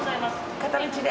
片道で。